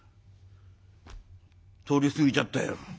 「通り過ぎちゃったよ。